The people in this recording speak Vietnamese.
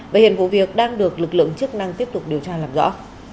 và hiện vụ việc đang được lực lượng chức năng tiếp tục điều tra làm rõ